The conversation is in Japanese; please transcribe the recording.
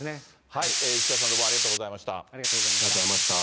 石川さん、どうもありがとうありがとうございました。